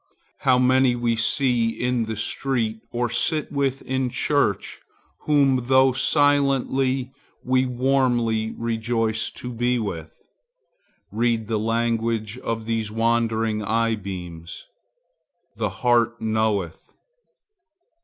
How many we see in the street, or sit with in church, whom, though silently, we warmly rejoice to be with! Read the language of these wandering eye beams. The heart knoweth.